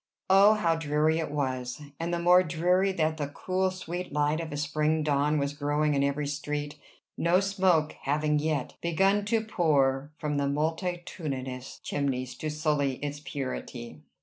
Oh, how dreary it was! and the more dreary that the cool, sweet light of a spring dawn was growing in every street, no smoke having yet begun to pour from the multitudinous chimneys to sully its purity!